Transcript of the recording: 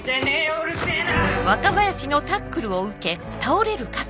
うるせぇな！